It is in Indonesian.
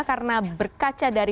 karena berkaca dari